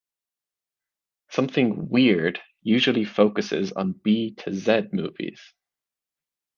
Something Weird usually focus on B to Z movies.